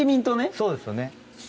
そうですよね。